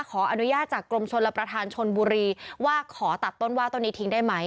ขออนุญาตจากกรมชนรับประธานชนบุรีว่าขอตัดต้นว่าต้นนี้ทิ้งได้ไหม